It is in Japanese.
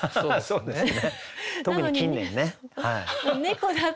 そうですね。